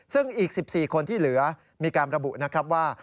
ซึ่งอีก๑๔คนที่เหลือมีการระบุนะครับว่า